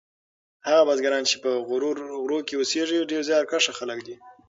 هغه بزګران چې په غرو کې اوسیږي ډیر زیارکښ خلک دي.